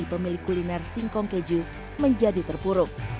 pemilik kuliner singkong keju menjadi terpuruk